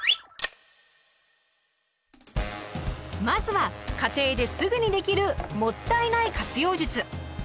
まずは家庭ですぐにできる「もったいない活用術」。